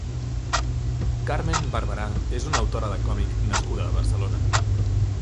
Carmen Barbarà és una autora de còmic nascuda a Barcelona.